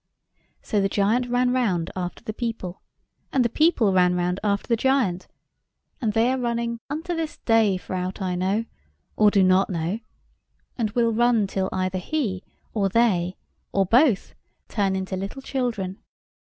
So the giant ran round after the people, and the people ran round after the giant, and they are running, unto this day for aught I know, or do not know; and will run till either he, or they, or both, turn into little children.